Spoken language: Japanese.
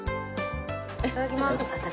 いただきます。